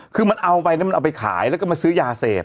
คือมันเอาไปนะมันเอาไปขายแล้วก็มาซื้อยาเสพ